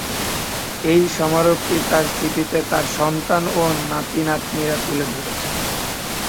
এই স্মারকটি তাঁর স্মৃতিতে তাঁর সন্তান ও নাতি-নাতনীরা তুলে ধরেছে।